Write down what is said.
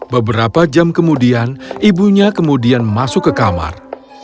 beberapa jam kemudian ibunya kemudian masuk ke kamar